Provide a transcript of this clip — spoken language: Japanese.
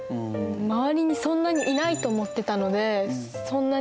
周りにそんなにいないと思ってたのでそんなに。